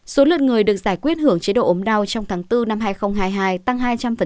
số lượt người được giải quyết hưởng chế độ ốm đau trong tháng bốn năm hai nghìn hai mươi hai tăng hai trăm linh